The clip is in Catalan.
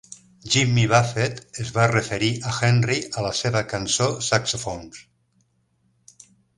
Jimmy Buffett es va referir a Henry a la seva cançó "Saxophones".